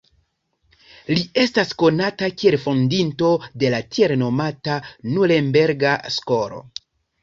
Li estas konata kiel fondinto de la tiel nomata Nurenberga Skolo.